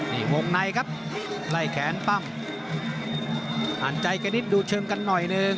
นี่วงในครับไล่แขนปั้มอ่านใจกันนิดดูเชิงกันหน่อยหนึ่ง